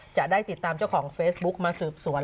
จะได้ติดตามเจ้าของเฟซบุ๊กมาสืบสวน